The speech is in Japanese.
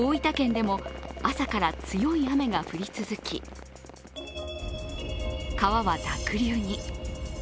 でも、朝から強い雨が降り続き、川は濁流に。